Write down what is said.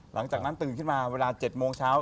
หลังจากนั้นตื่นขึ้นมาเวลา๗โมงเช้า